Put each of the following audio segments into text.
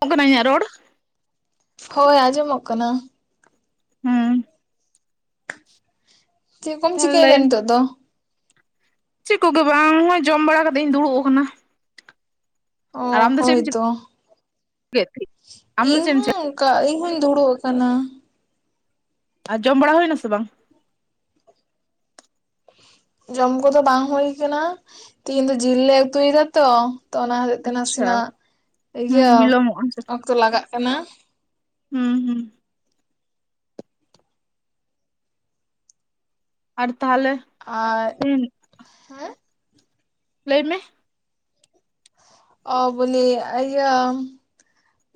[unintelligible] ᱤᱧᱟ ᱨᱚᱲ ᱦᱳᱭ ᱟᱸᱡᱚᱢᱚᱜ ᱠᱟᱱᱟ᱾ ᱦᱩᱸ ᱪᱮᱫ ᱠᱚᱢ ᱛᱟᱦᱚᱞᱮ ᱪᱤᱠᱟᱹᱭᱮᱫᱟ ᱞᱟᱹᱭ ᱢᱮ ᱱᱤᱛᱚᱜ ᱫᱚ? ᱪᱮᱫ ᱠᱚᱜᱮ ᱵᱟᱝ ᱱᱚᱜ-ᱚᱭ ᱡᱚᱢ ᱵᱟᱲᱟ ᱠᱟᱛᱮᱜ ᱤᱧ ᱫᱩᱲᱩᱵ ᱟᱠᱟᱱᱟ᱾ ᱚ ᱟᱨ ᱟᱢ ᱫᱚ ᱪᱮᱫ ᱮᱢ ᱦᱳᱭᱛᱳ ᱪᱤᱠᱟᱹᱭᱮᱫ ᱛᱮ ᱟᱢ ᱫᱚ ᱤᱧ ᱪᱮᱫ ᱮᱢ ᱪᱤᱠᱟᱹ ᱦᱚᱸ ᱠᱟ ᱤᱧ ᱦᱩᱸᱧ ᱫᱩᱲᱩᱜ ᱟᱠᱟᱱᱟ᱾ ᱟᱨ ᱡᱚᱢ ᱵᱟᱲᱟ ᱦᱩᱭᱱᱟ ᱥᱮ ᱵᱟᱝ? ᱡᱚᱢ ᱠᱚᱫᱚ ᱵᱟᱝ ᱦᱩᱭ ᱠᱟᱱᱟ ᱛᱤᱦᱤᱧ ᱫᱚ ᱡᱤᱞ ᱞᱮ ᱩᱛᱩᱭ ᱫᱟ ᱛᱚ, ᱛᱚ ᱚᱱᱟ ᱦᱩᱭᱩᱜ ᱛᱮ ᱟᱪᱪᱷᱟ ᱱᱟᱥᱮᱱᱟᱜ ᱦᱩᱸ ᱤᱡᱟᱹ ᱵᱤᱞᱚᱢᱚᱜᱼᱟ ᱚᱠᱛᱚ ᱞᱟᱜᱟᱜ ᱠᱟᱱᱟ᱾ ᱦᱩᱸ ᱦᱩᱸ ᱟᱨ ᱛᱟᱦᱚᱞᱮ ᱟᱨ ᱦᱮᱸ ᱞᱟᱹᱭ ᱢᱮ? ᱚ ᱵᱚᱞᱤ ᱟᱹᱭᱟᱢ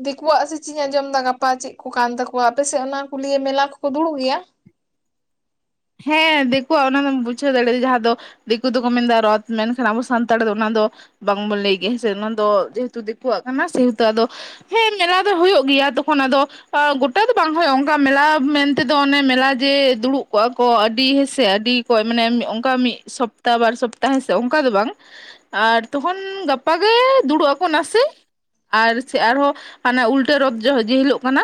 ᱫᱤᱠᱩᱣᱟᱜ ᱥᱮ ᱪᱮᱜᱼᱤᱧ ᱟᱸᱡᱚᱢ ᱮᱫᱟ ᱜᱟᱯᱟ ᱪᱮᱫ ᱠᱚ ᱠᱟᱱ ᱛᱟᱠᱚᱣᱟ ᱟᱯᱮᱥᱮᱫ ᱚᱱᱟ ᱠᱩᱞᱤᱭᱮ ᱢᱮᱞᱟ ᱠᱚᱠᱚ ᱫᱩᱲᱩᱵ ᱜᱮᱭᱟ? ᱦᱮᱸ ᱫᱤᱠᱩᱣᱟᱜ ᱚᱱᱟ ᱢᱟᱢ ᱵᱩᱡᱷᱟᱹᱣ ᱫᱟᱲᱮᱭᱟᱜ ᱡᱟᱦᱟᱸ ᱫᱚ ᱫᱤᱠᱩ ᱫᱚᱠᱚ ᱢᱮᱱᱫᱟ ᱨᱚᱛᱷ ᱢᱮᱱᱠᱷᱟᱱ ᱟᱵᱚ ᱥᱟᱱᱛᱟᱲ ᱫᱚ ᱚᱱᱟ ᱫᱚ ᱵᱟᱝᱵᱚ ᱞᱟᱹᱭ ᱜᱮᱭᱟ ᱦᱮᱸ ᱥᱮ ᱚᱱᱟ ᱫᱚ ᱡᱮᱦᱮᱛᱩ ᱫᱤᱠᱩᱣᱟᱜ ᱠᱟᱱᱟ ᱥᱮᱦᱮᱛᱩ ᱟᱫᱚ ᱦᱮᱸ ᱢᱮᱞᱟ ᱫᱚ ᱦᱩᱭᱩᱜ ᱜᱮᱭᱟ ᱛᱚᱠᱷᱚᱱ ᱟᱫᱚ ᱚ ᱜᱚᱴᱟ ᱫᱚ ᱵᱟᱝ ᱦᱩᱭᱩᱜᱼᱟ ᱚᱱᱠᱟ ᱢᱮᱞᱟ ᱢᱮᱱᱛᱮᱫᱚ ᱚᱱᱮ ᱢᱮᱞᱟ ᱡᱮ ᱫᱩᱲᱩᱵ ᱠᱚᱜᱼᱟ ᱠᱚ ᱟᱹᱰᱤ ᱦᱮᱸᱥᱮ ᱟᱹᱰᱤ ᱠᱚ ᱢᱟᱱᱮ ᱮᱢᱱᱤ ᱚᱱᱠᱟ ᱢᱤᱫ ᱥᱚᱯᱛᱟ ᱵᱟᱨ ᱥᱚᱯᱛᱟ ᱦᱮᱸᱥᱮ ᱚᱱᱠᱟ ᱫᱚ ᱵᱟᱝ, ᱟᱨ ᱛᱚᱠᱷᱚᱱ ᱜᱟᱯᱟ ᱜᱮ ᱫᱩᱲᱩᱜ ᱟᱠᱚ ᱱᱟᱥᱮ ᱟᱨ ᱥᱮ ᱟᱨᱦᱚᱸ ᱦᱟᱱᱟ ᱩᱞᱴᱟᱹ ᱨᱚᱛᱷ ᱡᱚ ᱡᱮ ᱦᱤᱞᱳᱜ ᱠᱟᱱᱟ᱾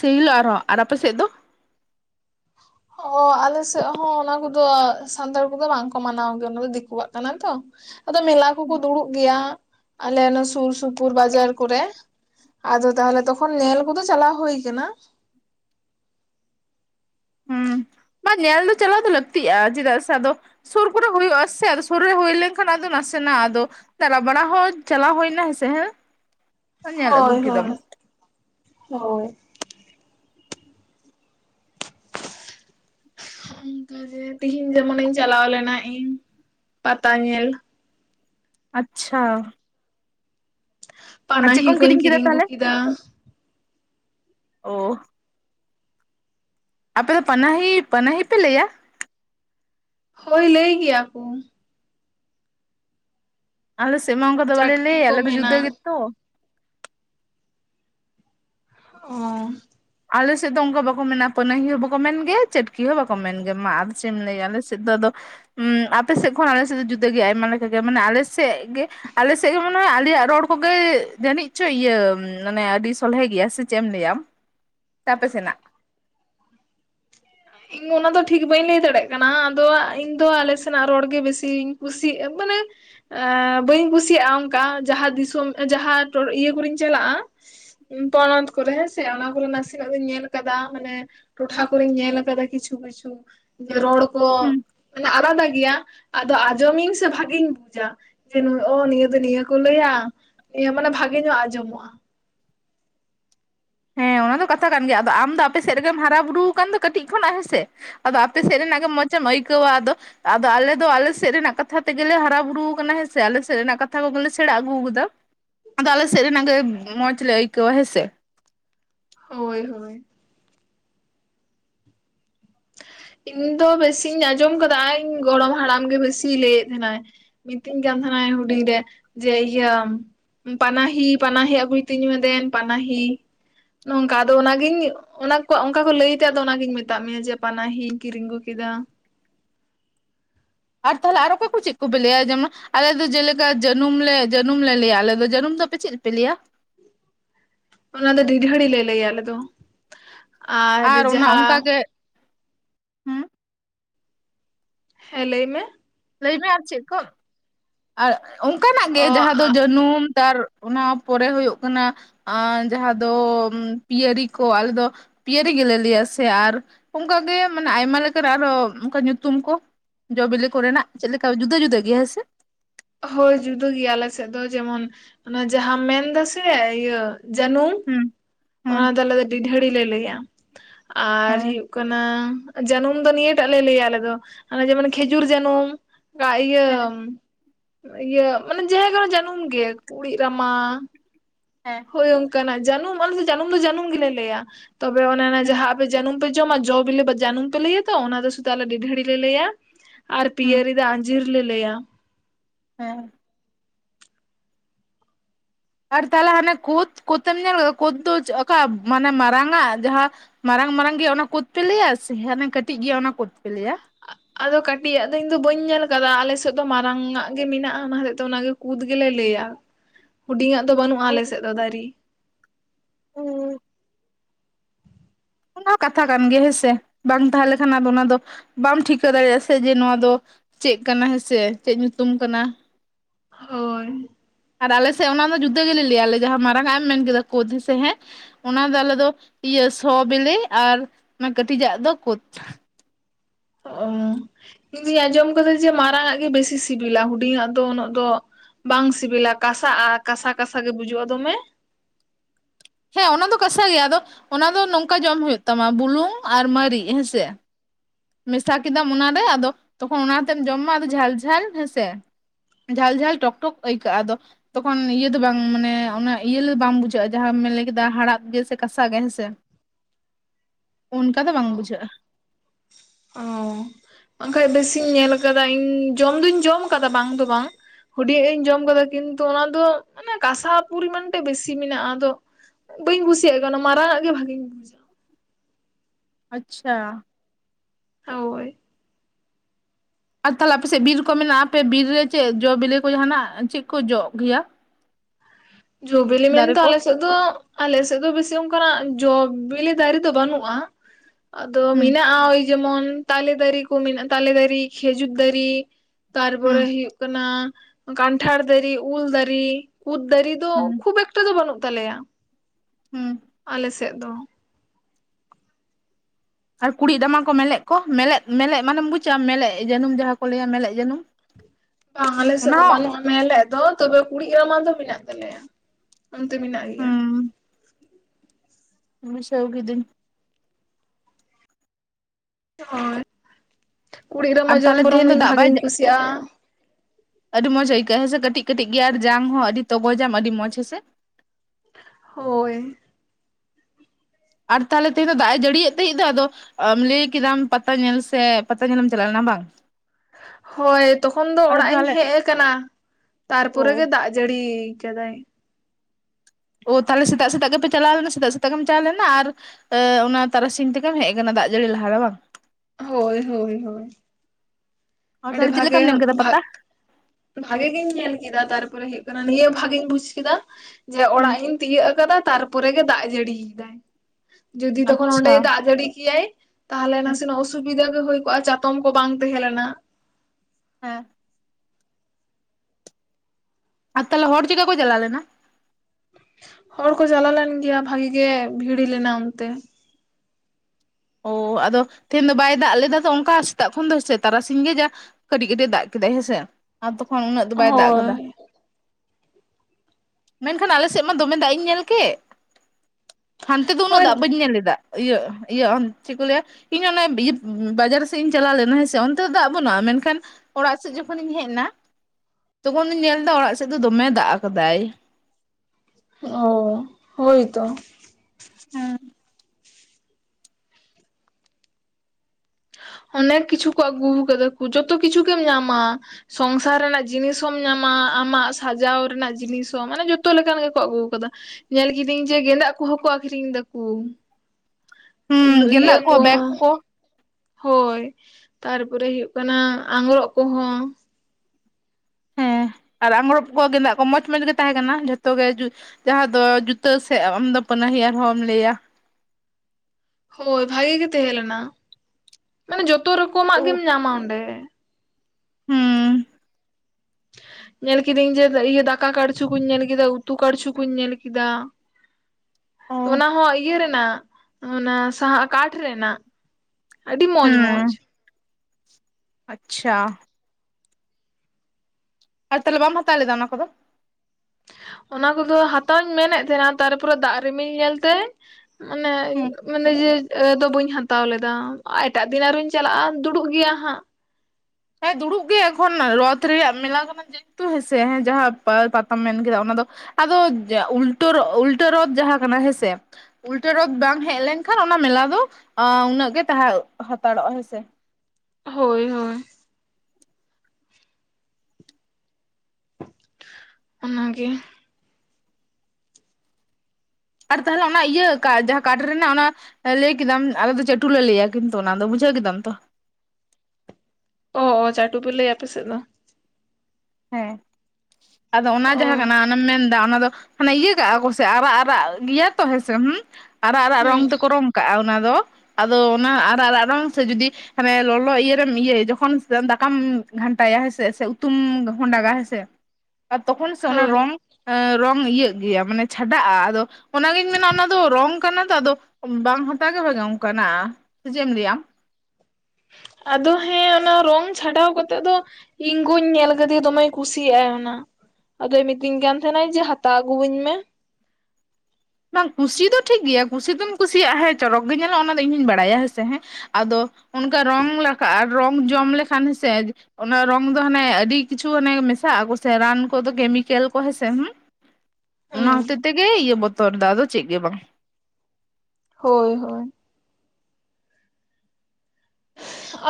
ᱥᱮ ᱦᱤᱞᱳᱜ ᱟᱨᱦᱚᱸ ᱟᱨ ᱟᱯᱮ ᱥᱮᱫ ᱫᱚ? ᱚ ᱟᱞᱮ ᱥᱮᱫ ᱦᱚᱸ ᱚᱱᱟ ᱠᱚᱫᱚ ᱥᱟᱱᱛᱟᱲ ᱠᱚᱫᱚ ᱵᱟᱝᱠᱚ ᱢᱟᱱᱟᱣ ᱜᱮᱭᱟ ᱚᱱᱟ ᱫᱚ ᱫᱤᱠᱩᱣᱟᱜ ᱠᱟᱱᱟ ᱛᱚ᱾ ᱟᱫᱚ ᱢᱮᱞᱟ ᱠᱚᱠᱚ ᱫᱩᱲᱩᱵ ᱜᱮᱭᱟ ᱟᱞᱮ ᱚᱱᱟ ᱥᱩᱨ ᱥᱩᱯᱩᱨ ᱵᱟᱡᱟᱨ ᱠᱚᱨᱮ᱾ ᱟᱫᱚ ᱛᱟᱦᱚᱞᱮ ᱛᱚᱠᱷᱚᱱ ᱧᱮᱞ ᱠᱚᱫᱚ ᱪᱟᱞᱟᱣ ᱦᱳᱭ ᱠᱟᱱᱟ᱾ ᱦᱩᱸ ᱵᱟᱝ ᱧᱮᱞ ᱫᱚ ᱪᱟᱞᱟᱣ ᱫᱚ ᱞᱟᱹᱠᱛᱤᱜᱼᱟ ᱪᱮᱫᱟᱜ ᱥᱮ ᱟᱫᱚ ᱥᱩᱨ ᱠᱚᱨᱮ ᱦᱩᱭᱩᱜᱼᱟ ᱥᱮ, ᱟᱫᱚ ᱥᱩᱨ ᱨᱮ ᱦᱩᱭ ᱞᱮᱱᱠᱷᱟᱱ ᱟᱫᱚ ᱱᱟᱥᱮᱱᱟᱜ ᱟᱫᱚ ᱫᱟᱨᱟ ᱵᱟᱲᱟ ᱦᱚᱸ ᱪᱟᱞᱟᱣ ᱦᱩᱭᱱᱟ ᱦᱮᱸ ᱥᱮ ᱦᱮᱸ, ᱧᱮᱞ ᱟᱹᱜᱩ ᱦᱳᱭ ᱠᱮᱫᱟᱢ ᱦᱳᱭ ᱦᱳᱭ᱾ ᱚᱝᱠᱟ ᱜᱮ ᱛᱤᱦᱤᱧ ᱡᱮᱢᱚᱱᱤᱧ ᱪᱟᱞᱟᱣ ᱞᱮᱱᱟ ᱤᱧ ᱯᱟᱛᱟ ᱧᱮᱞ᱾ ᱟᱪᱪᱷᱟ᱾ ᱟᱨ ᱪᱮᱜ ᱯᱟᱱᱟᱦᱤ ᱠᱚᱢ ᱠᱚᱧ ᱠᱤᱨᱤᱧ ᱠᱮᱫᱟ ᱟᱹᱜᱩ ᱛᱟᱦᱞᱮ? ᱳ ᱟᱯᱮ ᱫᱚ ᱯᱟᱱᱟᱦᱤ ᱯᱟᱱᱟᱦᱤ ᱯᱮ ᱞᱟᱹᱭᱟ? ᱦᱳᱭ ᱞᱟᱹᱭ ᱜᱮᱭᱟ ᱠᱚ᱾ ᱟᱞᱮ ᱥᱮᱜ ᱢᱟ ᱚᱝᱠᱟ ᱫᱚ ᱵᱟᱞᱮ ᱪᱟᱴᱠᱤ ᱞᱟᱹᱭ ᱠᱚ ᱟᱞᱮ ᱫᱚ ᱢᱮᱱᱟ ᱡᱩᱫᱟᱹ ᱜᱮᱛᱚ᱾ ᱚ ᱟᱞᱮ ᱥᱮᱜ ᱫᱚ ᱚᱝᱠᱟ ᱵᱟᱠᱚ ᱢᱮᱱᱟ ᱯᱟᱹᱱᱟᱹᱦᱤ ᱦᱚᱸ ᱵᱟᱠᱚ ᱢᱮᱱ ᱜᱮᱭᱟ ᱪᱟᱹᱴᱠᱤ ᱦᱚᱸ ᱵᱟᱠᱚ ᱢᱮᱱ ᱜᱮᱭᱟ, ᱢᱟ ᱟᱫᱚ ᱪᱮᱜ ᱮᱢ ᱞᱟᱹᱭᱟ ᱟᱞᱮ ᱥᱮᱜ ᱫᱚ ᱟᱫᱚ ᱩᱸ ᱟᱯᱮ ᱥᱮᱜ ᱠᱷᱚᱱ ᱟᱞᱮ ᱥᱮᱜ ᱫᱚ ᱡᱩᱫᱟᱹ ᱜᱮᱭᱟ ᱟᱭᱢᱟ ᱞᱮᱠᱟ ᱜᱮ, ᱢᱟᱱᱮ ᱟᱞᱮ ᱥᱮᱜ ᱜᱮ ᱟᱞᱮ ᱥᱮᱜ ᱜᱮ ᱱᱮ ᱟᱞᱮᱭᱟᱜ ᱨᱚᱲ ᱠᱚᱜᱮ ᱡᱟᱹᱱᱤᱡ ᱪᱚ ᱤᱭᱟᱹ ᱢᱟᱱᱮ ᱟᱹᱰᱤ ᱥᱚᱞᱦᱮ ᱜᱮᱭᱟ ᱥᱮ ᱪᱮᱜ ᱮᱢ ᱞᱟᱹᱭᱟ ᱟᱢ? ᱛᱟᱯᱮ ᱥᱮᱱᱟᱜ ᱤᱝ ᱚᱱᱟ ᱫᱚ ᱴᱷᱤᱠ ᱵᱟᱹᱧ ᱞᱟᱹᱭ ᱫᱟᱲᱮᱜ ᱠᱟᱱᱟ ᱟᱫᱚ ᱤᱧ ᱫᱚ ᱟᱞᱮ ᱥᱮᱱᱟᱜ ᱨᱚᱲ ᱜᱮ‌ ᱵᱮᱥᱤᱧ ᱠᱩᱥᱤᱟᱜ ᱢᱟᱱᱮ ᱮ ᱵᱟᱹᱧ ᱠᱩᱥᱤᱭᱟᱜᱼᱟ ᱚᱝᱠᱟ ᱡᱟᱦᱟᱸ ᱫᱤᱥᱚᱢ ᱡᱟᱦᱟᱸ ᱤᱭᱟᱹ ᱠᱚᱨᱮᱧ ᱪᱟᱞᱟᱜᱼᱟ ᱯᱚᱱᱚᱛ ᱠᱚᱨᱮ ᱦᱮᱸᱥᱮ ᱚᱱᱟ ᱠᱚᱨᱮ ᱱᱟᱥᱮᱱᱟᱜ ᱫᱚᱧ ᱧᱮᱞ‌ ᱠᱟᱫᱟ ᱢᱟᱱᱮ ᱴᱚᱴᱷᱟ ᱠᱚᱨᱮᱧ ᱧᱮᱞ ᱠᱟᱫᱟ ᱠᱤᱪᱷᱩ ᱠᱤᱪᱷᱩ ᱡᱮ ᱨᱚᱲ ᱠᱚ ᱦᱩᱸ ᱢᱟᱱᱮ ᱟᱞᱟᱫᱟ ᱜᱮᱭᱟ᱾ ᱟᱫᱚ ᱟᱸᱡᱚᱢᱤᱧ ᱥᱮ ᱵᱷᱟᱜᱤᱧ ᱵᱩᱡᱟ ᱡᱮ ᱚ ᱱᱤᱭᱟᱹ ᱫᱚ ᱱᱤᱭᱟᱹ ᱠᱚ ᱞᱟᱹᱭᱟ᱾ ᱤᱭᱟᱹ ᱢᱟᱱᱮ ᱵᱷᱟᱜᱮ ᱧᱚᱜ ᱟᱸᱡᱚᱢᱚᱜᱼᱟ᱾ ᱦᱮᱸ ᱚᱱᱟ ᱫᱚ ᱠᱟᱛᱷᱟ ᱠᱟᱱ ᱜᱮᱭᱟ ᱟᱫᱚ ᱟᱢ ᱫᱚ ᱟᱯᱮ ᱥᱮᱜ ᱨᱮᱜᱮᱢ ᱦᱟᱨᱟ ᱵᱩᱨᱩ ᱟᱠᱟᱱ ᱫᱚ ᱠᱟᱹᱴᱤᱡ ᱠᱷᱚᱱᱟᱜ ᱦᱮᱸᱥᱮ᱾ ᱟᱫᱚ ᱟᱯᱮ ᱥᱮᱜ ᱦᱳᱭ ᱨᱮᱱᱟᱜ ᱜᱮ ᱢᱚᱸᱪᱮᱢ ᱚᱭᱠᱟᱹᱣᱟ ᱟᱫᱚ ᱟᱫᱚ ᱟᱞᱮ ᱫᱚ ᱟᱞᱮ ᱥᱮᱜ ᱨᱮᱱᱟᱜ ᱠᱟᱛᱷᱟ ᱛᱮᱜᱮᱞᱮ ᱦᱟᱨᱟ ᱵᱩᱨᱩᱣ ᱠᱟᱱᱟ ᱦᱮᱸᱥᱮ ᱟᱞᱮᱥᱮᱜ ᱨᱮᱱᱟᱜ ᱠᱟᱛᱷᱟ ᱠᱚᱜᱮᱞᱮ ᱥᱮᱬᱟ ᱟᱹᱜᱩᱣ ᱠᱟᱫᱟ᱾ ᱟᱫᱚ ᱟᱞᱮ ᱥᱮᱜ ᱨᱮᱱᱟᱜ ᱜᱮ ᱢᱚᱡᱽ ᱞᱮ ᱮᱭᱠᱟᱹᱣᱟ ᱦᱮᱸᱥᱮ᱾ ᱦᱳᱭ ᱦᱳᱭ ᱤᱧ ᱫᱚ ᱵᱮᱥᱤᱧ ᱟᱸᱡᱚᱢ ᱠᱟᱫᱟᱧ ᱜᱚᱲᱚᱢ ᱦᱟᱲᱟᱢ ᱜᱮ ᱵᱮᱥᱤᱭ ᱞᱟᱹᱭᱮᱜ ᱛᱟᱦᱮᱱᱟᱭ᱾ ᱢᱤᱛᱟᱹᱧ ᱠᱟᱱ ᱛᱟᱦᱮ ᱱᱟᱭ ᱦᱩᱰᱤᱧ ᱨᱮ ᱡᱮ ᱤᱭᱟᱹ ᱯᱟᱱᱟᱦᱤ ᱯᱟᱱᱟᱦᱤ ᱟᱹᱜᱩᱭ ᱛᱤᱧ ᱢᱮ ᱫᱮᱱ ᱯᱟᱱᱟᱦᱤ᱾ ᱱᱚᱝᱠᱟ ᱟᱫᱚ ᱚᱱᱟᱜᱤᱧ ᱚᱱᱟ ᱠᱚ ᱚᱝᱠᱟ ᱠᱚ ᱞᱟᱹᱭᱛᱮ ᱟᱫᱚ ᱚᱱᱟᱜᱤᱧ ᱢᱮᱛᱟᱜ ᱢᱮᱭᱟ ᱡᱮ ᱯᱟᱱᱟᱦᱤᱧ ᱠᱤᱨᱤᱧ ᱜᱩ ᱠᱮᱫᱟ᱾ ᱟᱨ ᱛᱟᱦᱞᱮ ᱟᱨ ᱚᱠᱟ ᱠᱚ ᱪᱮᱜ ᱠᱚᱵᱮ ᱞᱟᱹᱭᱟ ᱡᱟᱢᱟ ᱟᱞᱮᱫᱚ ᱡᱮᱞᱮᱠᱟ ᱡᱟᱹᱱᱩᱢ ᱞᱮ ᱡᱟᱹᱱᱩᱢ ᱞᱮ ᱞᱟᱹᱭᱟ ᱟᱞᱮ ᱫᱚ ᱡᱟᱹᱱᱩᱢ ᱫᱚ ᱟᱯᱮ ᱪᱮᱜ ᱯᱮ ᱞᱟᱹᱭᱟ? ᱚᱱᱟ ᱫᱚ ᱰᱤᱰᱷᱟᱹᱲᱤ ᱞᱮ ᱞᱟᱹᱭᱟ ᱟᱞᱮ ᱫᱚ ᱟᱨ ᱚᱱᱟ ᱚᱱᱠᱟ ᱡᱟᱦᱟᱸ ᱜᱮ ᱦᱩᱸ ᱦᱮᱸ ᱞᱟᱹᱭ ᱢᱮ᱾ ᱞᱟᱹᱭᱢᱮ ᱟᱨ ᱪᱮᱜ ᱠᱚ ᱟᱨ ᱚᱝᱠᱟᱱᱟᱜ ᱜᱮ ᱚ ᱡᱟᱦᱟᱸ ᱫᱚ ᱡᱟᱹᱱᱩᱢ ᱛᱟᱨ ᱚᱱᱟ ᱯᱚᱨᱮ ᱦᱩᱭᱩᱜ ᱠᱟᱱᱟ ᱟᱸ ᱡᱟᱦᱟᱸ ᱫᱚ ᱯᱤᱭᱟᱹᱨᱤ ᱠᱚ ᱟᱞᱮ ᱫᱚ ᱯᱤᱭᱟᱹᱨᱤ ᱜᱮᱞᱮ ᱞᱮᱭᱟ ᱥᱮ ᱟᱨ ᱚᱝᱠᱟᱜᱮ ᱢᱟᱱᱮ ᱟᱭᱢᱟ ᱞᱮᱠᱱᱟᱜ ᱟᱨᱚ ᱚᱝᱠᱟ ᱧᱩᱛᱩᱢ ᱠᱚ᱾ ᱡᱚ ᱵᱤᱞᱤ ᱠᱚᱨᱮ ᱱᱟᱜ ᱪᱮᱷ ᱞᱮᱠᱟ ᱡᱩᱫᱟᱹ ᱡᱩᱫᱟᱹ ᱜᱮᱭᱟ ᱦᱮᱸ ᱥᱮ? ᱦᱳᱭ ᱡᱩᱫᱟᱹ ᱜᱮᱭᱟ ᱟᱞᱮ ᱥᱮᱜ ᱫᱚ ᱡᱮᱢᱚᱱ ᱚᱱᱟ ᱡᱟᱦᱸᱟᱢ ᱢᱮᱱ ᱫᱟᱥᱮ ᱤᱭᱟᱹ ᱡᱟᱹᱱᱩᱢ ᱦᱩᱸ ᱦᱩᱸ ᱚᱱᱟ ᱫᱚ ᱟᱞᱮ ᱫᱚ ᱰᱤᱰᱷᱟᱹᱲᱤ ᱞᱮ ᱞᱟᱹᱭᱟ᱾ ᱟᱨ ᱦᱩᱸ ᱦᱩᱭᱩᱜ ᱠᱟᱱᱟ ᱡᱟᱹᱱᱩᱢ ᱫᱚ ᱱᱤᱭᱟᱹᱴᱟᱜ ᱞᱮ ᱞᱟᱹᱭᱟ ᱟᱞᱮ ᱫᱚ ᱦᱟᱱᱮ ᱡᱮᱢᱚᱱ ᱠᱷᱮᱡᱩᱨ ᱡᱟᱹᱱᱩᱢ ᱠᱟ ᱤᱭᱟᱹ ᱦᱮᱸ ᱤᱭᱟᱹ ᱢᱟᱱᱮ ᱡᱮ ᱠᱚᱱᱚ ᱡᱟᱹᱱᱩᱢ ᱜᱮ ᱠᱩᱲᱤᱜ ᱨᱟᱢᱟ ᱦᱮᱸ ᱦᱳᱭ ᱚᱝᱠᱟᱱᱟᱜ ᱡᱟᱹᱱᱩᱢ ᱟᱞᱮ ᱥᱮᱫ ᱫᱚ ᱡᱟᱹᱱᱩᱢ ᱫᱚ ᱡᱟᱹᱱᱩᱢ ᱜᱮᱞᱮ ᱞᱟᱹᱭᱟ ᱛᱚᱵᱮ ᱚᱱᱮ ᱦᱩᱸ ᱡᱟᱦᱟᱸ ᱟᱯᱮ ᱡᱟᱹᱱᱢ ᱯᱮ ᱡᱚᱢᱟᱜ ᱡᱚ ᱵᱤᱞ ᱵᱟ ᱡᱟᱱᱩᱢ ᱯᱮ ᱞᱟᱹᱭᱟ ᱛᱚ ᱚᱱᱟ ᱫᱚ ᱥᱩᱫᱩ ᱟᱞᱮ ᱰᱤᱰᱷᱟᱹᱲᱤ ᱞᱮ ᱞᱟᱹᱭᱟ᱾ ᱟᱨ ᱦᱩᱸ ᱯᱤᱭᱟᱹᱨ ᱫᱚ ᱟᱧᱡᱤᱨ ᱞᱮ ᱞᱟᱹᱭᱟ, ᱦᱮᱸ᱾ ᱟᱨ ᱛᱟᱦᱚᱞᱮ ᱦᱟᱱᱮ ᱠᱳᱫᱽ ᱠᱳᱫᱽ ᱮᱢ ᱧᱮᱞ ᱟᱠᱮᱫᱟ ᱠᱳᱫᱽ ᱫᱚ ᱚᱠᱟ ᱢᱟᱱᱮ ᱢᱟᱨᱟᱝ ᱟᱜ ᱡᱟᱦᱟᱸ ᱢᱟᱨᱟᱝ ᱢᱟᱨᱟᱝ ᱜᱮᱭᱟ ᱚᱱᱟ ᱠᱩᱫ ᱯᱮ ᱞᱟᱹᱭᱟ ᱥᱮ ᱦᱟᱱᱮ ᱠᱟᱹᱴᱤᱡ ᱜᱮ ᱚᱱᱟ ᱠᱩᱫ ᱯᱮ ᱞᱟᱹᱭᱟ? ᱟᱫᱚ ᱠᱟᱹᱴᱤᱡᱟᱜ ᱫᱚ ᱤᱧ ᱫᱚ ᱵᱟᱹᱧ ᱧᱮᱞ ᱟᱠᱟᱫᱟ ᱟᱞᱮ ᱥᱮᱫ ᱫᱚ ᱢᱟᱨᱟᱝ ᱟᱜ ᱜᱮ ᱢᱮᱱᱟᱜᱼᱟ ᱚᱱᱟ ᱦᱚᱛᱮᱡ ᱛᱮ ᱚᱱᱟᱜᱮ ᱠᱩᱫ ᱜᱮᱞᱮ ᱞᱟᱹᱭᱟ᱾ [inaudible] ᱦᱩᱰᱤᱧ ᱟᱜ ᱫᱚ ᱵᱟᱹᱱᱩᱜᱼᱟ ᱟᱞᱮ ᱥᱮᱫ ᱫᱚ ᱫᱟᱨᱮ, ᱚᱱᱟ ᱦᱚᱸ ᱠᱟᱛᱷᱟ ᱠᱟᱱ ᱜᱮ ᱦᱮᱸᱥᱮ ᱵᱟᱝ ᱛᱟᱦᱮ ᱞᱮᱠᱷᱟᱱ ᱟᱫᱚ ᱚᱱᱟ ᱫᱚ ᱵᱟᱢ ᱴᱷᱤᱠᱟᱹ ᱫᱟᱲᱮᱭᱟᱜᱼᱟ ᱥᱮ ᱡᱮ ᱱᱚᱣᱟ ᱫᱚ ᱪᱮᱫ ᱠᱟᱱᱟ ᱦᱮᱸᱥᱮ ᱪᱮᱫ ᱧᱩᱛᱩᱢ ᱠᱟᱱᱟ? ᱦᱳᱭ ᱟᱨ ᱟᱞᱮ ᱥᱮ ᱚᱱᱟ ᱫᱚ ᱡᱩᱫᱟᱹ ᱜᱮᱞᱮ ᱞᱟᱹᱭᱟ ᱟᱞᱮ ᱡᱟᱦᱟᱸ ᱢᱟᱨᱟᱝ ᱟᱜ ᱮᱢ ᱢᱮᱱ ᱠᱮᱫᱟ ᱠᱚᱫᱷ‌ ᱦᱮᱸ ᱥᱮ ᱦᱮᱸ, ᱚᱱᱟ ᱫᱚ ᱟᱞᱮ ᱫᱚ ᱤᱭᱟᱹ ᱥᱚ ᱵᱤᱞᱮ ᱟᱨ ᱠᱟᱹᱴᱤᱡ ᱟᱜ ᱫᱚ ᱠᱳᱫᱷ᱾ ᱚ ᱤᱧ ᱫᱩᱧ ᱟᱸᱡᱚᱢ ᱠᱟᱫᱟ ᱡᱮ ᱢᱟᱨᱟᱝ ᱟᱜ ᱜᱮ ᱵᱮᱥᱤ ᱥᱤᱵᱤᱞᱟ ᱦᱩᱰᱤᱧ ᱟᱜ ᱫᱚ ᱩᱱᱟᱹᱜ ᱫᱚ ᱵᱟᱝ ᱥᱤᱵᱤᱞᱟ ᱠᱟᱥᱟᱜᱼᱟ ᱠᱟᱥᱟ ᱠᱟᱥᱟ ᱜᱮ ᱵᱩᱡᱩᱜᱼᱟ ᱫᱚᱢᱮ, ᱦᱮᱸ ᱚᱱᱟ ᱫᱚ ᱠᱟᱥᱟ ᱜᱮᱭᱟ ᱟᱫᱚ ᱚᱱᱟ ᱫᱚ ᱱᱚᱝᱠᱟ ᱡᱚᱢ ᱦᱩᱭᱩᱜ ᱛᱟᱢᱟ ᱵᱩᱞᱩᱝ ᱟᱨ ᱢᱟᱨᱤᱪ ᱦᱮᱸᱥᱮ, ᱢᱮᱥᱟ ᱠᱮᱫᱟᱢ ᱚᱱᱟᱨᱮ ᱟᱫᱚ ᱛᱚᱠᱷᱚᱱ ᱚᱱᱟᱛᱮᱢ ᱡᱚᱢᱟ ᱟᱫᱚ ᱡᱷᱟᱹᱞ ᱡᱷᱟᱹᱞ ᱦᱮᱸᱥᱮ, ᱡᱷᱟᱞ ᱡᱷᱟᱞ ᱴᱚᱠ ᱴᱚᱠ ᱟᱹᱭᱠᱟᱹᱜ ᱟᱫᱚ ᱛᱚᱠᱷᱚᱱ ᱤᱭᱟᱹ ᱫᱚ ᱵᱟᱝ ᱢᱟᱱᱮ ᱚᱱᱟ ᱤᱭᱟᱹ ᱵᱟᱝ ᱵᱩᱡᱷᱟᱹᱜᱼᱟ ᱡᱟᱦᱟᱸᱢ ᱞᱟᱹᱭ ᱠᱮᱫᱟ ᱦᱟᱲᱦᱟᱜ ᱜᱮᱥᱮ ᱠᱟᱥᱟᱜ ᱜᱮ ᱦᱮᱸᱥᱮ, ᱚᱱᱠᱟ ᱫᱚ ᱵᱟᱝ ᱵᱩᱡᱷᱟᱹᱜᱼᱟ᱾ ᱚ ᱵᱟᱝᱠᱷᱟᱱ ᱵᱮᱥᱤᱧ ᱧᱮᱞ ᱟᱠᱟᱫᱟ ᱤᱧ ᱡᱚᱢ ᱫᱩᱧ ᱡᱚᱢ ᱟᱠᱟᱫᱟ ᱵᱟᱝ ᱫᱚ ᱵᱟᱝ, ᱦᱩᱰᱤᱭ ᱤᱧ ᱡᱚᱢ ᱠᱟᱫᱟ ᱠᱤᱱᱛᱩ ᱚᱱᱟ ᱫᱚ ᱢᱟᱱᱮ ᱠᱟᱸᱥᱟᱯᱩᱨᱤ ᱢᱟᱱᱮ ᱵᱮᱥᱤ ᱢᱮᱱᱟᱜᱼᱟ ᱟᱫᱚ ᱵᱟᱹᱧ ᱠᱩᱥᱤᱭᱟᱜ ᱠᱟᱱᱟ ᱢᱟᱨᱟᱝ ᱟᱜ ᱜᱮ ᱵᱷᱟᱜᱤᱧ ᱟᱪᱪᱷᱟ᱾ ᱦᱳᱭ᱾ ᱟᱨ ᱛᱟᱦᱚᱞᱮ ᱟᱯᱮᱥᱮᱫ ᱵᱤᱨ ᱠᱚ ᱢᱮᱱᱟᱜᱼᱟ ᱟᱯᱮ ᱵᱤᱨ ᱨᱮ ᱪᱮᱫ ᱡᱚ ᱵᱤᱞᱤ ᱠᱚ ᱡᱟᱦᱟᱱᱟᱜ ᱪᱮᱫ ᱠᱚ ᱡᱚᱜ ᱜᱮᱭᱟ? ᱡᱚᱵᱤᱞᱤ ᱢᱮᱱ ᱫᱟᱨᱮ ᱫᱚ ᱠᱚ ᱟᱞᱮ ᱥᱮᱱ ᱥᱮᱫ ᱫᱚ ᱟᱞᱮ ᱥᱮᱫ ᱫᱚ ᱵᱮᱥᱤ ᱚᱱᱠᱟᱱᱟᱜ ᱡᱚ ᱵᱤᱞᱤ ᱫᱟᱨᱮ ᱫᱚ ᱵᱟᱹᱱᱩᱜᱼᱟ᱾ ᱟᱫᱚ ᱦᱩᱸ ᱢᱮᱱᱟᱜᱼᱟ ᱳᱭ ᱡᱮᱢᱚᱱ ᱛᱟᱞᱮ ᱫᱟᱨᱮ ᱠᱚ ᱢᱮᱱᱟᱜᱼᱟ ᱛᱟᱞᱮ ᱫᱟᱨᱮ ᱠᱷᱮᱡᱩᱨ ᱫᱟᱨᱮ, ᱦᱩᱸ ᱛᱟᱨᱯᱚᱨᱮ ᱦᱩᱭᱩᱜ ᱠᱟᱱᱟ ᱠᱟᱱᱴᱷᱟᱲ ᱫᱟᱨᱮ ᱩᱞ ᱫᱟᱨᱮ ᱠᱩᱫ ᱫᱟᱨᱮ, ᱫᱚ ᱦᱩᱸ ᱠᱷᱩᱵ ᱮᱠᱴᱟ ᱫᱚ ᱵᱟᱹᱱᱩᱜ ᱛᱟᱞᱮᱭᱟ᱾ ᱦᱩᱸ᱾ ᱟᱞᱮ ᱥᱮᱫ ᱫᱚ, ᱟᱨ ᱠᱩᱲᱤᱫ ᱨᱟᱢᱟ ᱠᱚ ᱢᱮᱫᱮᱫ ᱠᱚ ᱟᱨ ᱠᱩᱨᱤᱫ ᱨᱟᱢᱟ ᱠᱚ ᱢᱮᱞᱮᱫ ᱢᱮᱞᱮᱫ ᱢᱟᱱᱮᱢ ᱵᱩᱡᱟᱼᱟ ᱢᱮᱞᱮᱫ ᱡᱟᱹᱱᱩᱢ ᱡᱟᱦᱟᱸ ᱠᱚ ᱞᱟᱹᱭᱟ ᱢᱮᱞᱮᱫ ᱡᱟᱹᱱᱩᱢ? [inaudible] ᱵᱟᱝ ᱟᱞᱮ ᱥᱮᱫ ᱚᱱᱟ ᱫᱚ ᱦᱚᱸ ᱵᱟᱹᱱᱩᱜᱼᱟ ᱢᱮᱞᱮᱫ ᱫᱚ ᱛᱚᱵᱮ ᱠᱩᱲᱤᱫ ᱨᱟᱢᱟ ᱫᱚ ᱢᱮᱱᱟᱜ ᱛᱟᱞᱮᱭᱟ᱾ ᱚᱱᱛᱮ ᱢᱮᱱᱟᱜ ᱜᱮᱭᱟ, ᱵᱩᱡᱷᱟᱹᱣ ᱠᱤᱫᱟᱧ᱾ ᱦᱳᱭ ᱠᱩᱲᱤᱫ ᱨᱟᱢᱟ ᱟᱨ ᱡᱚᱢ ᱛᱟᱦᱚᱞᱮ ᱵᱚᱨᱚᱝ ᱛᱮᱦᱮᱧ ᱫᱚ ᱤᱧ ᱫᱟᱜ ᱵᱟᱭ ᱵᱷᱟᱜᱤᱧ ᱠᱩᱥᱤᱭᱟᱜᱼᱟ, ᱟᱹᱰᱤ ᱢᱚᱸᱡᱽ ᱟᱹᱭᱠᱟᱹᱜ ᱦᱮᱸᱥᱮ ᱠᱟᱹᱴᱤᱡ ᱠᱟᱹᱴᱤᱡ ᱜᱮ ᱟᱨ ᱡᱟᱝ ᱦᱚᱸ ᱟᱹᱰᱤ ᱛᱚᱜᱚᱡᱟᱢ ᱟᱹᱰᱤ ᱢᱚᱸᱡᱽ ᱦᱮᱸᱥᱮ? ᱦᱳᱭ᱾ ᱟᱨ ᱛᱟᱦᱚᱞᱮ ᱛᱮᱦᱮᱧ ᱫᱟᱜ ᱮ ᱡᱟᱹᱲᱤᱭᱮᱫ ᱛᱟᱦᱮᱸᱜ ᱫᱚ ᱟᱫᱚ ᱟᱢ ᱞᱟᱹᱭ ᱠᱮᱫᱟᱢ ᱯᱟᱛᱟ ᱧᱮᱞ ᱥᱮ ᱯᱟᱛᱟ ᱧᱮᱞᱮᱢ ᱪᱟᱞᱟᱣ ᱞᱮᱱᱟ ᱵᱟᱝ? ᱦᱳᱭ ᱛᱚᱠᱷᱚᱱ ᱫᱚ ᱟᱫᱚ ᱚᱲᱟᱜ ᱤᱧ ᱛᱟᱦᱚᱞᱮ ᱦᱮᱡ ᱟᱠᱟᱱᱟ᱾ ᱚ ᱛᱟᱨᱯᱚᱨᱮ ᱜᱮ ᱫᱟᱜ ᱡᱟᱹᱲᱤ ᱠᱮᱫᱟᱭ᱾ ᱚ ᱛᱟᱞᱦᱮ ᱥᱮᱛᱟᱜ ᱥᱮᱛᱟᱜ ᱜᱮᱯᱮ ᱪᱟᱞᱟᱣ ᱞᱮᱱᱟ ᱥᱮᱛᱟᱜ ᱥᱮᱛᱟᱜ ᱜᱮᱢ ᱪᱟᱞᱟᱣ ᱞᱮᱱᱟ ᱟᱨ ᱚᱱᱟ ᱛᱟᱨᱟᱥᱤᱧ ᱛᱮᱜᱮᱢ ᱦᱮᱡ ᱟᱠᱟᱱᱟ ᱫᱟᱜ ᱡᱟᱹᱲᱤ ᱞᱟᱦᱟ ᱫᱚ ᱵᱟᱝ? ᱦᱳᱭ ᱦᱳᱭ ᱦᱳᱭ᱾ ᱟᱨ ᱟᱹᱰᱤ ᱛᱟᱦᱚᱞᱮ ᱪᱮᱫ ᱵᱷᱟᱜᱮ ᱞᱮᱠᱟᱢ ᱧᱮᱞ ᱠᱮᱫᱟ ᱵᱷᱟᱜ ᱯᱟᱛᱟ ᱵᱷᱟᱜᱮ ᱜᱤᱧ ᱧᱮᱞ ᱠᱮᱫᱟ ᱛᱟᱨᱯᱚᱨᱮ ᱦᱩᱭᱩᱜ ᱠᱟᱱᱟ ᱱᱤᱭᱟᱹ ᱵᱷᱟᱜᱤᱧ ᱵᱩᱡ ᱠᱮᱫᱟ, ᱡᱮ ᱚᱲᱟᱜ ᱦᱩᱸ ᱤᱧ ᱛᱤᱭᱟᱹᱜ ᱟᱠᱟᱫᱟ ᱛᱟᱨᱯᱚᱨᱮ ᱜᱮ ᱫᱟᱜ ᱡᱟᱹᱲᱤᱭ ᱮᱫᱟᱭ, ᱡᱩᱫᱤ ᱛᱚᱠᱷᱚᱱ ᱚᱸᱰᱮ ᱟᱪᱪᱷᱟ ᱫᱟᱜ ᱡᱟᱹᱲᱤ ᱠᱮᱭᱟᱭ ᱛᱟᱦᱚᱞᱮ ᱦᱩᱸ ᱱᱟᱥᱮᱱᱟᱜ ᱚᱥᱩᱵᱤᱫᱟ ᱜᱮ ᱦᱩᱭ ᱠᱚᱜ-ᱟ ᱪᱟᱛᱚᱢ ᱠᱚ ᱵᱟᱝ ᱛᱟᱦᱮᱸ ᱞᱮᱱᱟ᱾ ᱦᱮᱸ᱾ ᱟᱨ ᱛᱟᱦᱚᱞᱮ ᱦᱚᱲ ᱪᱤᱠᱠᱟ ᱠᱚ ᱪᱟᱞᱟᱣ ᱞᱮᱱᱟ? ᱦᱚᱲ ᱠᱚ ᱪᱟᱞᱟᱣ ᱞᱮᱱ ᱜᱮᱭᱟ ᱵᱷᱟᱜᱤ ᱜᱮ ᱵᱷᱤᱲ ᱞᱮᱱᱟ ᱚᱱᱛᱮ, ᱚ ᱟᱫᱚ ᱛᱮᱦᱮᱧ ᱫᱚ ᱵᱟᱭ ᱫᱟᱜ ᱞᱮᱫᱟ ᱛᱚ ᱚᱱᱠᱟ ᱥᱮᱛᱟᱜ ᱠᱷᱚᱱ ᱫᱚ ᱛᱟᱨᱟᱥᱤᱧ ᱜᱮ ᱡᱟ ᱠᱟᱹᱴᱤᱡ ᱠᱟᱹᱴᱤᱡ ᱮ ᱫᱟᱜ ᱠᱮᱫᱟᱭ ᱦᱮᱸᱥᱮ ᱟᱨ ᱛᱚᱠᱷᱚᱱ ᱩᱱᱟᱹᱜ ᱫᱚ ᱵᱟᱭ ᱫᱟᱜ ᱟᱠᱟᱫᱟ, ᱦᱳᱭ ᱢᱮᱱᱠᱷᱟᱱ ᱟᱞᱮᱥᱮᱫ ᱢᱟ ᱫᱚᱢᱮ ᱫᱟᱜ ᱤᱧ ᱧᱮᱞ ᱠᱮᱫ, ᱦᱟᱱᱛᱮ ᱫᱚ ᱩᱱᱟᱹᱜ ᱦᱳᱭ ᱫᱟᱜ ᱵᱟᱹᱧ ᱧᱮᱞᱮᱫᱟ ᱤᱭᱟᱹ ᱤᱭᱟᱹ ᱪᱮᱫ ᱠᱚ ᱞᱟᱹᱭᱟ ᱤᱧ ᱚᱱᱮ ᱵᱟᱡᱟᱨ ᱥᱮᱫ ᱤᱧ ᱪᱟᱞᱟᱣ ᱞᱮᱱᱟ ᱦᱮᱸᱥᱮ ᱚᱱᱛᱮ ᱫᱚ ᱫᱟᱜ ᱵᱟᱹᱱᱩᱜ-ᱟ ᱢᱮᱱᱠᱷᱟᱱ ᱚᱲᱟᱜ ᱥᱮᱫ ᱡᱚᱠᱷᱚᱱᱤᱧ ᱦᱮᱡ ᱮᱱᱟ ᱛᱚᱠᱷᱚᱱ ᱫᱚᱧ ᱧᱮᱞ ᱮᱫᱟ ᱚᱲᱟᱜ ᱥᱮᱫ ᱫᱚ ᱫᱚᱢᱮ ᱫᱟᱜ ᱟᱠᱟᱫᱟᱭ, ᱚ ᱦᱳᱭ ᱛᱚ, ᱦᱮᱸ ᱚᱱᱮᱠ ᱠᱤᱪᱷᱩ ᱠᱚ ᱟᱹᱜᱩ ᱟᱠᱟᱫᱟ ᱠᱚ ᱡᱚᱛᱚ ᱠᱤᱪᱷᱩ ᱜᱮᱢ ᱧᱟᱢᱟ, ᱥᱚᱝᱥᱟᱨ ᱨᱮᱱᱟᱜ ᱡᱤᱱᱤᱥ ᱦᱚᱢ ᱧᱟᱢᱟ ᱟᱢᱟᱜ ᱥᱟᱡᱟᱣ ᱨᱮᱱᱟᱜ ᱡᱤᱱᱤᱥ ᱦᱚᱸ ᱢᱟᱱᱮ ᱡᱚᱛᱚ ᱞᱮᱠᱟᱱ ᱜᱮᱠᱚ ᱟᱹᱜᱩ ᱟᱠᱟᱫᱟ᱾ ᱧᱮᱞ ᱠᱤᱫᱟᱹᱧ ᱡᱮ ᱜᱮᱸᱫᱟᱜ ᱠᱚᱦᱚᱸ ᱠᱚ ᱟᱠᱷᱨᱤᱧ ᱫᱟᱠᱚ᱾ ᱦᱩᱸ ᱤᱭᱟᱹ ᱜᱮᱸᱫᱟᱜ ᱠᱚ ᱵᱮᱜᱽ ᱠᱚ ᱦᱳᱭ ᱛᱟᱨᱯᱚᱨᱮ ᱦᱩᱭᱩᱜ ᱠᱟᱱᱟ ᱟᱝᱜᱽᱨᱚᱵ ᱠᱚᱦᱚᱸ ᱦᱮᱸ ᱟᱨ ᱟᱝᱜᱽᱨᱚᱵ ᱠᱚ ᱜᱮᱸᱫᱟᱜ ᱠᱚ ᱢᱚᱸᱡᱽ ᱢᱚᱸᱡᱽ ᱜᱮ ᱛᱟᱦᱮᱸ ᱠᱟᱱᱟ ᱡᱷᱚᱛᱚ ᱜᱮ ᱡᱟᱦᱟᱸ ᱫᱚ ᱡᱩᱛᱟᱹ ᱥᱮ ᱟᱢ ᱫᱚ ᱯᱟᱱᱟᱦᱤ ᱟᱨ ᱦᱚᱸᱢ ᱞᱟᱹᱭᱟ? ᱦᱳᱭ ᱵᱷᱟᱜᱤ ᱜᱮ ᱛᱟᱦᱮᱸ ᱞᱮᱱᱟ ᱢᱟᱱᱮ ᱡᱚᱛᱚ ᱨᱚᱠᱚᱢᱟᱜ ᱳ ᱜᱮᱢ ᱧᱟᱢᱟ ᱚᱸᱰᱮ ᱾ ᱦᱩᱸ᱾ ᱧᱮᱞ ᱠᱤᱫᱟᱹᱧ ᱡᱮ ᱤᱭᱟᱹ ᱫᱟᱠᱟ ᱠᱟᱹᱲᱪᱩ ᱠᱩᱧ ᱧᱮᱞ ᱠᱮᱫᱟ ᱩᱛᱩ ᱠᱟᱹᱲᱪᱩ ᱠᱩᱧ ᱧᱮᱞ ᱠᱮᱫᱟ ᱾ [inaudible] ᱚ ᱚᱱᱟ ᱦᱚᱸ ᱤᱭᱟᱹ ᱨᱮᱱᱟᱜ ᱚᱱᱟ ᱥᱟᱦᱟ ᱠᱟᱴᱷ ᱨᱮᱱᱟᱜ ᱾ ᱟᱹᱰᱤ ᱢᱚᱸᱡᱽ ᱢᱚᱸᱡᱽ ᱦᱩᱸ ᱾ ᱟᱪᱪᱷᱟ᱾ ᱟᱨ ᱛᱟᱦᱚᱞᱮ ᱵᱟᱢ ᱦᱟᱛᱟᱣ ᱞᱮᱫᱟ ᱚᱱᱟ ᱠᱚᱫᱚ? ᱚᱱᱟ ᱠᱚᱫᱚ ᱦᱟᱛᱟᱣᱤᱧ ᱢᱮᱱᱮᱫ ᱛᱟᱦᱮᱸᱱᱟ ᱛᱟᱨᱯᱚᱨᱮ ᱫᱟᱜ ᱨᱤᱢᱤᱞ ᱧᱮᱞ ᱛᱮ ᱢᱟᱱᱮ ᱦᱩᱸ ᱢᱟᱱᱮ ᱡᱮ ᱟᱫᱚ ᱵᱟᱹᱧ ᱦᱟᱛᱟᱣ ᱞᱮᱫᱟ ᱮᱴᱟᱜ ᱫᱤᱱ ᱟᱨᱦᱚᱧ ᱪᱟᱞᱟᱜᱼᱟ, ᱫᱩᱲᱩᱵ ᱜᱮᱭᱟ ᱦᱟᱸᱜ ᱾ ᱦᱮᱸ ᱫᱩᱲᱩᱵ ᱜᱮ ᱮᱠᱷᱚᱱ ᱨᱚᱛᱷ ᱨᱮᱭᱟᱜ ᱢᱮᱞᱟ ᱠᱟᱱᱟ, ᱛᱚ ᱦᱮᱸᱥᱮ ᱦᱮᱸ ᱡᱟᱦᱟᱸ ᱯᱟᱛᱟ ᱯᱟᱛᱟᱢ ᱢᱮᱱ ᱠᱮᱫᱟ ᱚᱱᱟ ᱫᱚ, ᱟᱫᱚ ᱩᱞᱴᱟᱹ ᱩᱞᱴᱟᱹ ᱨᱚᱛᱷ ᱡᱟᱦᱟᱸ ᱠᱟᱱᱟ ᱦᱮᱸᱥᱮ ᱩᱞᱴᱟᱹ ᱨᱚᱛᱷ ᱵᱟᱝ ᱦᱮᱡ ᱞᱮᱱᱠᱷᱟᱱ ᱚᱱᱟ ᱢᱮᱞᱟ ᱫᱚ ᱟᱹ ᱩᱱᱟᱹᱜ ᱜᱮ ᱛᱟᱦᱮᱸ ᱦᱟᱛᱟᱲᱚᱜᱼᱟ ᱦᱮᱸᱥᱮ ᱾ ᱦᱳᱭ ᱦᱳᱭ᱾ ᱚᱱᱟᱜᱮ, ᱟᱨ ᱛᱟᱦᱚᱞᱮ ᱚᱱᱟ ᱤᱭᱟᱹ ᱡᱟᱦᱟᱸ ᱠᱟᱴᱷ ᱨᱮᱱᱟᱜ ᱚᱱᱟ ᱞᱟᱹᱭ ᱠᱮᱫᱟᱢ ᱟᱞᱮ ᱫᱚ ᱪᱟᱹᱴᱩ ᱞᱮ ᱞᱟᱹᱭᱟ ᱠᱤᱱᱛᱩ ᱚᱱᱟ ᱫᱚ ᱵᱩᱡᱷᱟᱹᱣ ᱠᱮᱫᱟᱢ ᱛᱚ? ᱚ ᱚ ᱪᱟᱴᱩ ᱯᱮ ᱞᱟᱹᱭ ᱟᱯᱮᱥᱮᱫ ᱫᱚ? ᱦᱮᱸ, ᱟᱫᱚ ᱚᱱᱟ ᱚ ᱡᱟᱦᱟᱸ ᱠᱟᱱᱟ ᱚᱱᱟᱢ ᱢᱮᱱ ᱚᱱᱟ ᱫᱚ ᱢᱟᱱᱮ ᱤᱭᱟᱹ ᱠᱟᱜᱼᱟ ᱠᱚᱥᱮ ᱟᱨᱟᱜ ᱟᱨᱟᱜ ᱜᱮᱭᱟ ᱛᱚ ᱦᱮᱸᱥᱮ ᱦᱮᱸ ᱟᱨᱟᱜ ᱟᱨᱟᱜ ᱨᱚᱝ ᱦᱩᱸ ᱛᱮᱠᱚ ᱨᱚᱝ ᱠᱟᱜᱼᱟ ᱚᱱᱟ ᱫᱚ ᱟᱫᱚ ᱚᱱᱟ ᱟᱨᱟᱜ ᱨᱟᱜ ᱨᱚᱝ ᱥᱮ ᱡᱩᱫᱤ ᱦᱟᱱᱮ ᱞᱚᱞᱚ ᱤᱭᱟᱹ ᱨᱮᱢ ᱤᱭᱟᱹ ᱡᱚᱠᱷᱚᱱ ᱫᱟᱠᱟᱢ ᱜᱷᱟᱱᱴᱟᱭᱟ ᱦᱮᱸᱥᱮ ᱥᱮ ᱩᱛᱩᱢ ᱦᱚᱸᱰᱟᱜᱟ ᱦᱮᱸᱥᱮ? ᱟᱨ ᱛᱚᱠᱷᱚᱱ ᱥᱮ ᱚᱱᱟ ᱦᱳᱭ ᱨᱚᱝ ᱨᱚᱝ ᱤᱭᱟᱹᱜ ᱜᱮᱭᱟ ᱢᱟᱱᱮ ᱪᱷᱟᱰᱟᱜᱼᱟ ᱟᱫᱚ ᱚᱱᱟ ᱜᱤᱧ ᱢᱮᱱᱟ ᱚᱱᱟ ᱫᱚ ᱨᱚᱝ ᱠᱟᱱᱟ ᱛᱚ ᱟᱫᱚ ᱵᱟᱝ ᱦᱟᱛᱟᱣ ᱜᱮ ᱵᱷᱟᱜᱮ ᱚᱱᱠᱟᱱᱟᱜ ᱥᱮ ᱪᱮᱫ ᱮᱢ ᱞᱟᱹᱭᱟ ᱟᱢ? ᱟᱫᱚ ᱦᱮᱸ ᱚᱱᱟ ᱨᱚᱝ ᱪᱷᱟᱰᱟᱣ ᱠᱟᱛᱮᱜ ᱫᱚ ᱤᱧ ᱜᱚᱧ ᱧᱮᱞ ᱠᱟᱫᱮᱭᱟ ᱫᱚᱢᱮ ᱠᱩᱥᱤᱭᱟᱜ-ᱟᱭ ᱚᱱᱟ ᱾ ᱟᱫᱚᱭ ᱢᱤᱛᱟᱹᱧ ᱠᱟᱱ ᱛᱟᱦᱮᱸᱱᱟᱭ ᱡᱮ ᱦᱟᱛᱟᱣ ᱟᱹᱜᱩᱣᱟᱹᱧ ᱢᱮ ᱾ ᱵᱟᱝ ᱠᱩᱥᱤ ᱫᱚ ᱴᱷᱤᱠ ᱜᱮᱭᱟ ᱠᱩᱥᱤ ᱫᱚᱢ ᱠᱩᱥᱤᱭᱟᱜᱼᱟ ᱦᱮᱸ ᱪᱚᱨᱚᱠ ᱜᱮ ᱧᱮᱞᱚᱜᱼᱟ ᱚᱱᱟ ᱫᱚ ᱤᱧᱦᱚᱧ ᱵᱟᱲᱟᱭᱟ ᱦᱮᱸᱥᱮ ᱦᱮᱸ, ᱟᱫᱚ ᱚᱱᱠᱟ ᱨᱚᱝ ᱨᱟᱠᱟᱵᱼᱟ ᱨᱚᱝ ᱡᱚᱢ ᱞᱮᱠᱷᱟᱱ ᱦᱮᱸᱥᱮ ᱚᱱᱟ ᱨᱚᱝ ᱫᱚ ᱦᱟᱱᱮ ᱟᱹᱰᱤ ᱠᱤᱪᱷᱩ ᱦᱟᱱᱮ ᱢᱮᱥᱟᱣᱟᱜ-ᱟ ᱠᱚᱥᱮ ᱨᱟᱱ ᱠᱚᱫᱚ ᱠᱮᱢᱤᱠᱮᱞ ᱠᱚ ᱦᱮᱥ ᱦᱩᱸ? ᱚᱱᱟ ᱦᱩᱸ ᱦᱚᱛᱮ ᱛᱮᱜᱮ ᱤᱭᱟᱹ ᱵᱚᱛᱚᱨ ᱫᱚ ᱟᱫᱚ ᱪᱮᱫ ᱜᱮ ᱵᱟᱝ ᱾ ᱦᱳᱭ ᱦᱳᱭ ᱾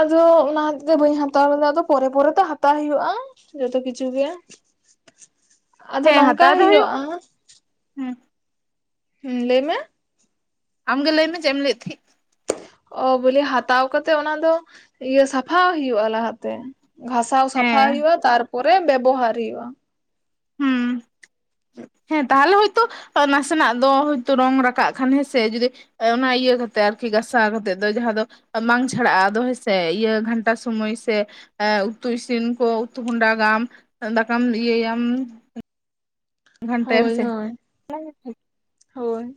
ᱟᱫᱚ ᱚᱱᱟ ᱦᱚᱛᱮ ᱛᱮ ᱵᱟᱹᱧ ᱦᱟᱛᱟᱣ ᱞᱮᱫᱟ, ᱟᱫᱚ ᱯᱚᱨᱮ ᱯᱚᱨᱮ ᱛᱚ ᱦᱟᱛᱟᱣ ᱦᱩᱭᱩᱜᱼᱟ ᱾ ᱡᱚᱛᱚ ᱠᱤᱪᱷᱩ ᱜᱮᱭᱟ ᱾ ᱦᱮᱸ ᱦᱟᱛᱟᱣ ᱫᱚ ᱦᱩᱭᱩᱜᱼᱟ ᱾ ᱦᱩᱸ ᱾ ᱦᱩᱸ ᱞᱟᱹᱭ ᱢᱮ ᱾ ᱟᱢ ᱜᱮ ᱞᱟᱹᱭ ᱢᱮ ᱪᱮᱫ ᱮᱢ ᱞᱟᱹᱭᱮᱫ ᱛᱟᱦᱮᱸᱫ? ᱚ ᱵᱚᱞᱮ ᱦᱟᱛᱟᱣ ᱠᱟᱛᱮᱜ ᱚᱱᱟ ᱫᱚ ᱤᱭᱟᱹ ᱥᱟᱯᱷᱟ ᱦᱩᱭᱩᱜᱼᱟ ᱞᱟᱦᱟ ᱛᱮ ᱾ ᱜᱷᱟᱥᱟᱣ ᱥᱟᱯᱷᱟ ᱦᱮᱸ ᱦᱩᱭᱩᱜᱼᱟ ᱛᱟᱨᱯᱚᱨᱮ ᱵᱮᱵᱚᱦᱟᱨ ᱦᱩᱭᱩᱜᱼᱟ ᱾ ᱦᱩᱸ ᱾ ᱦᱮᱸ ᱛᱟᱦᱚᱞᱮ ᱦᱳᱭᱛᱳ ᱱᱟᱥᱮᱱᱟᱜ ᱫᱚ ᱦᱳᱭᱛᱳ ᱨᱚᱝ ᱨᱟᱠᱟᱵ ᱠᱷᱟᱱ ᱦᱮᱸᱥᱮ, ᱡᱩᱫᱤ ᱚᱱᱟ ᱤᱭᱟᱹ ᱠᱟᱛᱮᱜ ᱟᱨᱠᱤ ᱜᱟᱥᱟᱣ ᱠᱟᱛᱮᱜ ᱫᱚ ᱡᱟᱦᱟᱸ ᱫᱚ ᱵᱟᱝ ᱪᱷᱟᱲᱟᱜᱼᱟ ᱟᱫᱚ ᱦᱮᱸᱥᱮ ᱤᱭᱟᱹ ᱜᱷᱟᱱᱴᱟ ᱥᱚᱢᱚᱭ ᱥᱮ ᱮ ᱩᱛᱩ ᱤᱥᱤᱱ ᱠᱚ ᱩᱛᱩ ᱦᱚᱸᱰᱟᱜᱟᱢ, ᱫᱟᱠᱟᱢ ᱤᱭᱟᱹᱭᱟᱢ ᱜᱷᱟᱱᱴᱟᱭᱟᱢ ᱦᱳᱭ ᱥᱮ ᱦᱳᱭ ᱾ ᱦᱳᱭ ᱾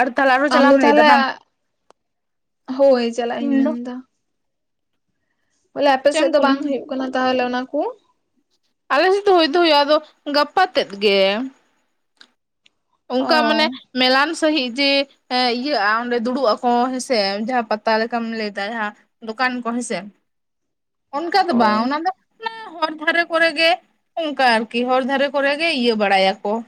ᱟᱨ ᱛᱟᱦᱚᱞᱮ ᱟᱨᱦᱚᱸ ᱟᱢ ᱪᱟᱞᱟᱜ ᱫᱚ ᱮᱢ ᱞᱟᱹᱭᱫᱟ ᱛᱟᱦᱚᱞᱮ, ᱵᱟᱝ ᱦᱳᱭ ᱪᱟᱞᱟᱜ ᱤᱧ ᱢᱮᱱ ᱮᱫᱟ ᱾ ᱵᱚᱞᱮ ᱟᱯᱮ ᱪᱮᱫ ᱥᱮᱫ ᱮᱢ ᱫᱚ ᱵᱟᱝ ᱠᱩᱞᱤᱧ ᱦᱩᱭᱩᱜ ᱠᱟᱱᱟ ᱛᱟᱦᱚᱞᱮ ᱚᱱᱟ ᱠᱚ? ᱟᱞᱮ ᱥᱮᱫ ᱫᱚ ᱦᱩᱭ ᱫᱚ ᱦᱩᱭᱩᱜᱼᱟ ᱟᱫᱚ ᱜᱟᱯᱟ ᱛᱮᱫ ᱜᱮ ᱾ ᱚ ᱚᱱᱠᱟ ᱢᱟᱱᱮ ᱢᱮᱞᱟᱱ ᱥᱟᱺᱦᱤᱡ ᱡᱮ ᱦᱮᱸ ᱤᱭᱟᱹᱜᱼᱟ ᱚᱸᱰᱮ ᱫᱩᱲᱩᱵ ᱟᱠᱚ ᱦᱮᱸᱥᱮ ᱡᱟᱦᱟᱸ ᱯᱟᱛᱟ ᱞᱮᱠᱟᱢ ᱞᱟᱹᱭᱫᱟ ᱡᱟᱦᱟᱸ ᱫᱚᱠᱟᱱ ᱠᱚ ᱦᱮᱸᱥᱮ ᱚᱱᱠᱟ ᱫᱚ ᱵᱟᱝ, ᱦᱳᱭ ᱚᱱᱟ ᱫᱚ ᱚᱱᱟ ᱦᱚᱨ ᱫᱷᱟᱨᱮ ᱠᱚᱨᱮ ᱜᱮ ᱚᱱᱠᱟ ᱟᱨᱠᱤ ᱦᱚᱨ ᱫᱷᱟᱨᱮ ᱠᱚᱨᱮ ᱜᱮ ᱤᱭᱟᱹ ᱵᱟᱲᱟᱭᱟᱠᱚ ᱾